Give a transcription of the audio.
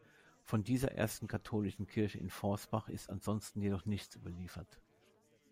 Von dieser ersten katholischen Kirche in Forsbach ist ansonsten jedoch nichts überliefert.